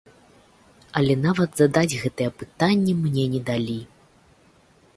Але нават задаць гэтыя пытанні мне не далі.